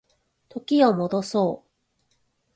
時を戻そう